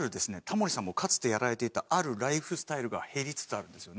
タモリさんもかつてやられていたあるライフスタイルが減りつつあるんですよね。